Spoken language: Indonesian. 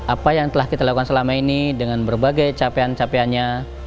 apa yang telah kita lakukan selama ini dengan berbagai capaian capaiannya